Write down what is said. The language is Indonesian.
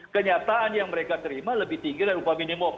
kenyataan yang mereka terima lebih tinggi dari upah minimum